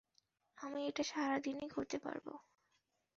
আমি এটা সারাদিনই করতে পারব।